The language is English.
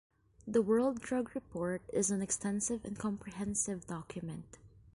The World Drug report is an extensive and comprehensive document.